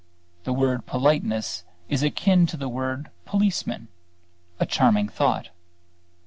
The word politeness is akin to the word policeman: a charming thought.